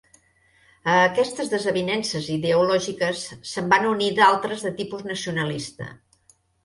A aquestes desavinences ideològiques se'n van unir d'altres de tipus nacionalista.